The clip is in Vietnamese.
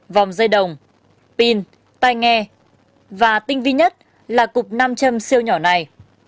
vòng dây đồng pin tai nghe và tinh vi nhất là cục nam châm siêu nhỏ này